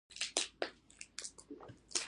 که د کړاو احساس وکړم خاندې.